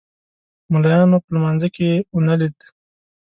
ملایانو په لمانځه کې ونه لید.